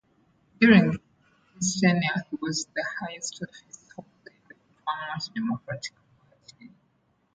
During his tenure he was the highest office holder in the Vermont Democratic Party.